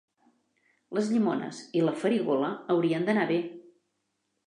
Les llimones i la farigola haurien d'anar bé.